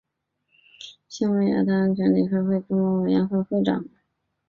现为亚太安全合作理事会中国委员会副会长。